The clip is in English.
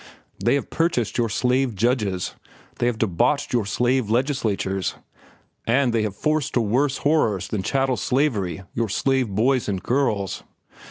They have purchased your slave judges, they have debauched your slave legislatures, and they have forced to worse horrors than chattel slavery your slave boys and girls.